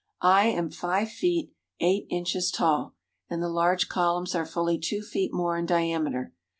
I am five feet eight inches tall and the large columns are fully two feet more in diameter.